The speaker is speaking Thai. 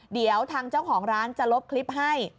เดี๋ยวทางเจ้าของร้านจะลบคลิปให้